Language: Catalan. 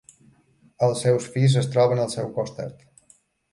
Els seus fills es troben al seu costat.